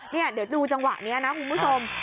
เดี๋ยวดูจังหวะนี้นะคุณผู้ชม